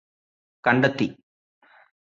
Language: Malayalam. കണ്ടെത്തി